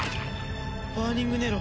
バーニングネロ。